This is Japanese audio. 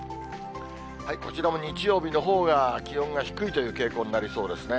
こちらも日曜日のほうが気温が低いという傾向になりそうですね。